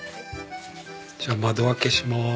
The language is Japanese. じゃあ窓開けします。